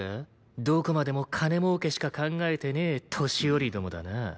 どこまでも金儲けしか考えてねえ年寄りどもだな。